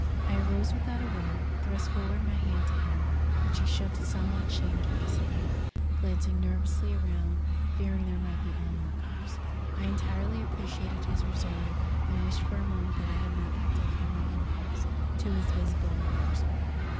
I arose without a word, thrust forward my hand to him, which he shook somewhat shamefacedly, glancing nervously around, fearing there might be onlookers. I entirely appreciated his reserve, and wished for a moment that I had not acted upon my impulse, to his visible embarrassment.